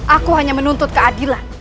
aku hanya menuntut keadilan